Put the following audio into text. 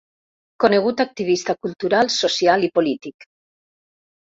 Conegut activista cultural, social i polític.